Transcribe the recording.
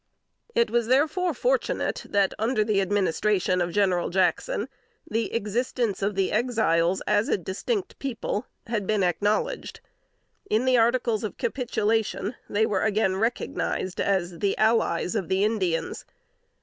It was therefore fortunate that, under the administration of General Jackson, the existence of the Exiles, as a distinct people, had been acknowledged. In the articles of capitulation, they were again recognized as the "allies" of the Indians.